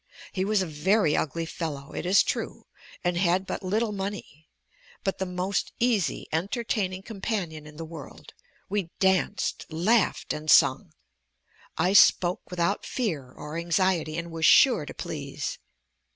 He was a very ugly fellow, it is true, and had but little money: but the most easy, entertaining companion in the world: we danced, laughed, and sung; I spoke without fear or anxiety, and was sure to please.